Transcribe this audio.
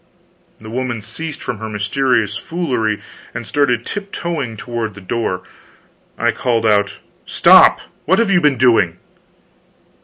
The woman ceased from her mysterious foolery, and started tip toeing toward the door. I called out: "Stop! What have you been doing?"